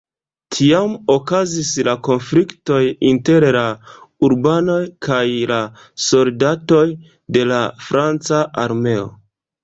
Tiam okazis la konfliktoj inter la urbanoj kaj la soldatoj de la franca armeo.